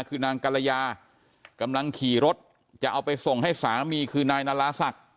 คือนางกรยากำลังขี่รถจะเอาไปส่งให้สามีคือนายนาราศักดิ์